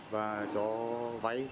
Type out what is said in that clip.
và cho vay